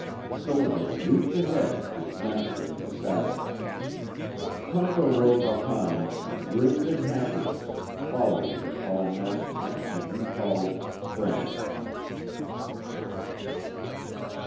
Silver leaped ahead, his master in the saddle. Tonto rode behind and grinned in happiness, following the tall masked man whom he called "friend."